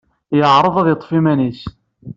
Yeɛreḍ ad yeḍḍef iman-nnes.